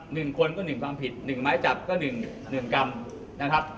หนึ่งคนก็หนึ่งความผิดหนึ่งไม้จับก็หนึ่งหนึ่งกรรมนะครับ